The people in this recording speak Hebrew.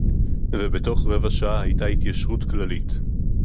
ובתוך רבע שעה היתה התיישרות כללית